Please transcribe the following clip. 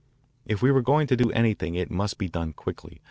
If we were going to do anything it must be done quickly.